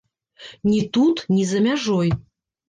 Ні тут, ні за мяжой.